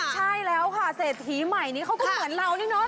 ใช่แล้วค่ะเศรษฐีใหม่นี้เขาก็เหมือนเรานี่เนาะ